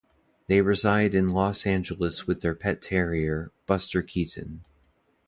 They reside in Los Angeles with their pet terrier, Buster Keaton.